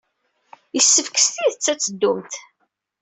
Yessefk s tidet ad teddumt.